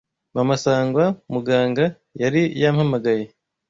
Mama Sangwa (Muganga), yari yampamagaye